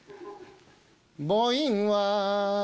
ボインは